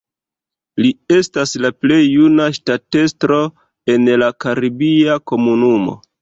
Li estas la plej juna ŝtatestro en la Karibia Komunumo.